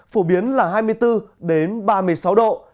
phổ biến là hai mươi bốn ba mươi sáu độ